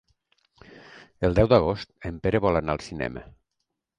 El deu d'agost en Pere vol anar al cinema.